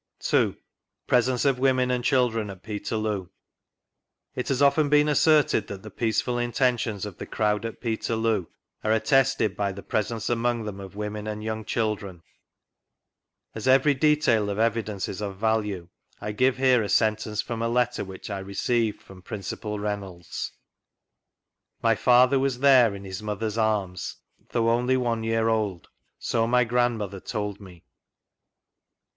2— PRESENCE OF WOMEN AND CHILDREN AT PETERLOO. It has often been asserted that the peaceful intea tions of the crowd at Peterloo are attested by the presence among them of women and young children. As every detail of evidence is of value, I give here a sentence from a letter which I rec«ived frna Principal vGoogIc 86 APPENDIX B Reynolds :" My father was there, in his uaotfaer's arms, though only one year old; so my grandmother told me."